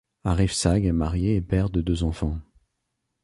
Arif Sağ est marié et père de deux enfants.